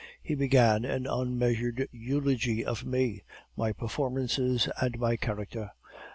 He began an unmeasured eulogy of me, my performances, and my character.